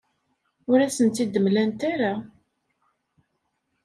Ur asen-tt-id-mlant ara.